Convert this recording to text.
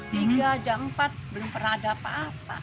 tiga jam empat belum pernah ada apa apa